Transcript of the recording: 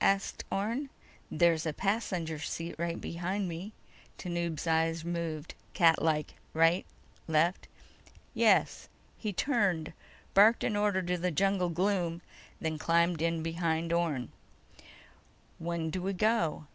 asked Orne. "There's a passenger seat right behind me." Tanub's eyes moved catlike: right, left. "Yes." He turned, barked an order into the jungle gloom, then climbed in behind Orne. "When do we go?"